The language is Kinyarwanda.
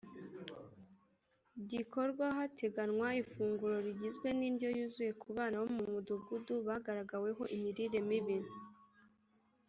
Gikorwa hategurwa ifunguro rigizwe n’indyo yuzuye ku bana bo mu mudugudu bagaragaweho imirire mibi